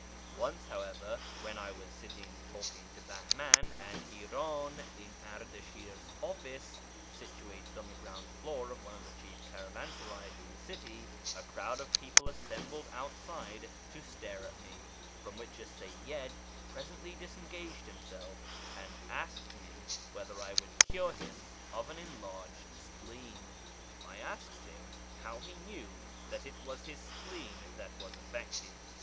Once, however, when I was sitting talking to Bahman and Iran in Ardashir's office (situated on the ground floor of one of the chief caravansarays in the city), a crowd of people assembled outside to stare at me, from which a Seyyid presently disengaged himself, and asked me whether I would cure him of an enlarged spleen. I asked him how he knew that it was his spleen that was affected.